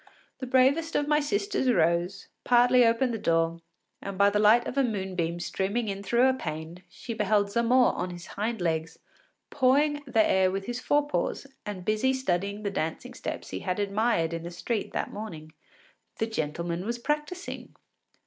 The bravest of my sisters rose, partly opened the door, and by the light of a moonbeam streaming in through a pane, she beheld Zamore on his hind legs, pawing the air with his fore paws, and busy studying the dancing steps he had admired in the street that morning. The gentleman was practising!